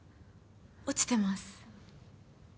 落ちてます。